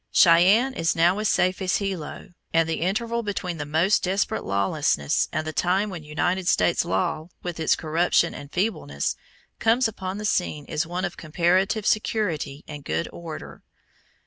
Cheyenne is now as safe as Hilo, and the interval between the most desperate lawlessness and the time when United States law, with its corruption and feebleness, comes upon the scene is one of comparative security and good order.